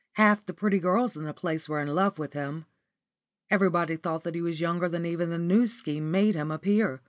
Half the pretty girls in the place were in love with him. Everybody thought he was younger than even the New Scheme made him appear.